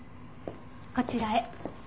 こちらへ。